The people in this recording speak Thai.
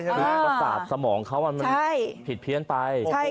ประสาทสมองเขาอันนั้นผิดเพี้ยนไป